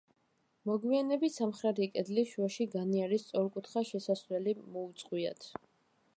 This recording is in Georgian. მოგვიანებით სამხრეთი კედლის შუაში განიერი, სწორკუთხა შესასვლელი მოუწყვიათ.